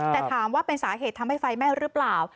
แต่ถามว่าเป็นสาเหตุทำให้ไฟไหม้หรือเปล่า